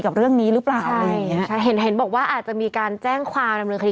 กับเรื่องนี้หรือเปล่าเห็นบอกว่าอาจจะมีการแจ้งความดำเนินคดี